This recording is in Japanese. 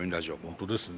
本当ですね。